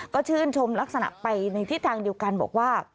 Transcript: ก็ชื่นชมลักษณะไปในทิศทางเดียวกันบอกว่า